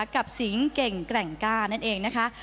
กับสิงส์เก่งแกร่งก้า